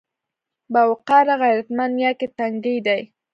باوقاره، غيرتمن يا که تنکي دي؟